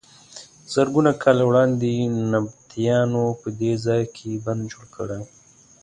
زرګونه کاله وړاندې نبطیانو په دې ځای کې بند جوړ کړی و.